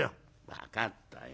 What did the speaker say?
「分かったよ。